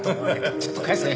ちょっと返せ！